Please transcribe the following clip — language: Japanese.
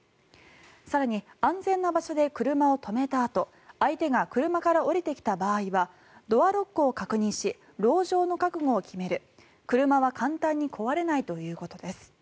更に、安全な場所で車を止めたあと相手が車から降りてきた場合はドアロックを確認しろう城の覚悟を決める車は簡単に壊れないということです。